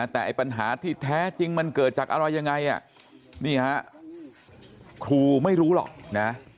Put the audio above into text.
แต่ไอ้ปัญหาที่แท้จริงมันเกิดจากอะไรยังไงนี่ฮะครูไม่รู้หรอกนะ